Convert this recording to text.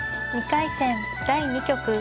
２回戦第２局。